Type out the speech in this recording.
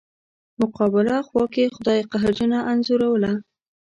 مقابله خوا کې خدای قهرجنه انځوروله.